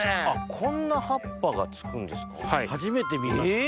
こんな葉っぱがつくんですか？